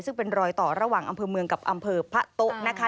ซึ่งเป็นรอยต่อระหว่างอำเภอเมืองกับอำเภอพะโต๊ะนะคะ